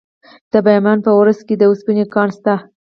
د بامیان په ورس کې د وسپنې کان شته.